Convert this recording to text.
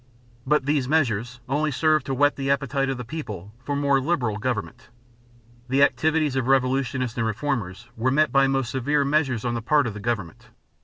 But these measures only served to whet the appetite of the people for more liberal government. The activities of revolutionists and reformers were met by most severe measures on the part of the government.